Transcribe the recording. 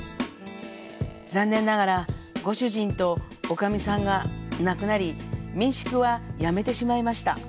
残念ながら、ご主人と女将さんが亡くなり、民宿はやめてしまいました。